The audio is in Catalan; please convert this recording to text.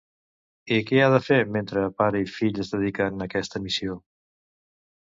I què ha de fer, mentre pare i fill es dediquen a aquesta missió?